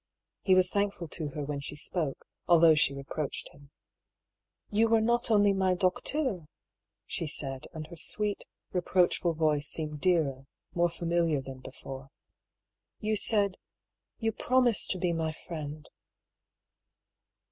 He was thankful to her when she spoke, al though she reproached him. " You were not only my docteuVy^ she said, and her sweet, reproachful voice seemed dearer, more familiar, than before. "You said — ^you promised to be my friend."